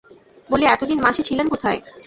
বলি, এতদিন মাসি ছিলেন কোথায়!